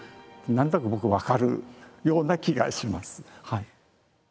何となく僕わかるような気がします。